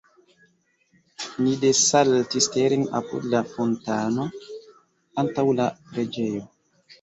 Ni desaltis teren apud la fontano, antaŭ la preĝejo.